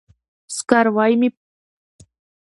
سکاروی به مې په دغه سړه هوا کې ووهي.